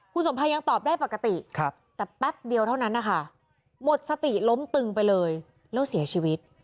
คุณสมภัยยังตอบได้ปกติแต่แป๊บเดียวเท่านั้นนะคะหมดสติล้มตึงไปเลยแล้วเสียชีวิต